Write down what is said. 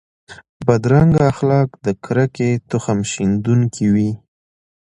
بدرنګه اخلاق د کرکې تخم شندونکي وي